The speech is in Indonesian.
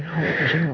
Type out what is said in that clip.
kamu jadi sebenarnya